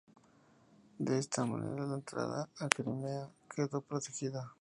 De esta manera, la entrada a Crimea quedó protegida.